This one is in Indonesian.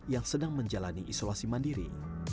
yang sedang menjalani isolasi mandiri